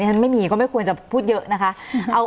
ฉันไม่มีก็ไม่ควรจะพูดเยอะนะคะ